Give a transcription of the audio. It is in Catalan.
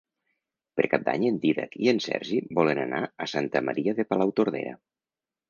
Per Cap d'Any en Dídac i en Sergi volen anar a Santa Maria de Palautordera.